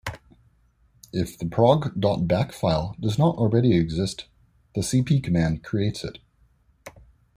If the prog.bak file does not already exist, the cp command creates it.